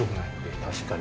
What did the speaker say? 確かに。